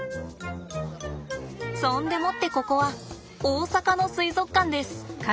そんでもってここは大阪の水族館です。